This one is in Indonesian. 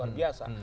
sangat luar biasa